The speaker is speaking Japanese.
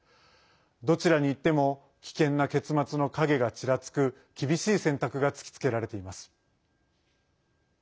どちらにいっても危険な結末の影がちらつく厳しい選択が突きつけられています。